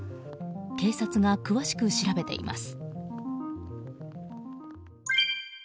警察が詳しく調べています。